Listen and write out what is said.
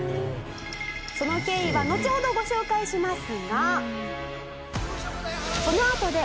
「その経緯はのちほどご紹介しますが」